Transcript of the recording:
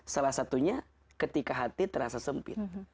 salah satunya ketika hati terasa sempit